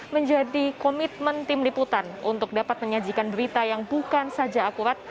menjadi komitmen tim liputan untuk dapat menyajikan berita yang bukan saja akurat